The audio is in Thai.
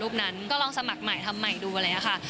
รูปนั้นก็ลองสมัครใหม่ทำใหม่ดูเลยค่ะ